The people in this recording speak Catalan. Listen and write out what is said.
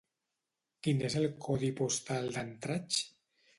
Quin és el codi postal d'Andratx?